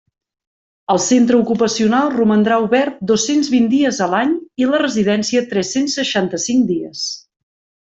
El Centre Ocupacional romandrà obert dos-cents vint dies a l'any i la Residència tres-cents seixanta-cinc dies.